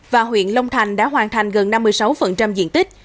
và huyện long thành đã hoàn thành gần năm mươi sáu diện tích